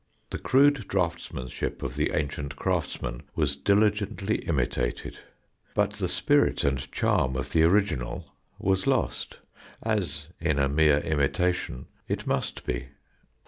The crude draughtsmanship of the ancient craftsman was diligently imitated, but the spirit and charm of the original was lost, as, in a mere imitation, it must be.